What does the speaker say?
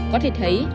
có thể thấy